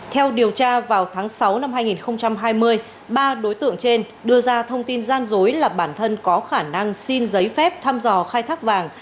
theo điều tra vào tháng sáu năm hai nghìn hai mươi ba đối tượng trên đưa ra thông tin gian dối là bản thân có khả năng xin giấy phép thăm dò khai thác vàng